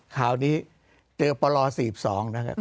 คราวนี้เจอปล๔๒นะครับ